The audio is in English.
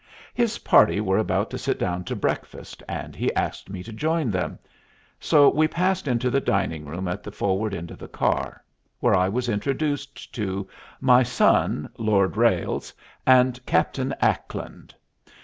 His party were about to sit down to breakfast, and he asked me to join them: so we passed into the dining room at the forward end of the car, where I was introduced to "My son," "Lord Ralles," and "Captain Ackland."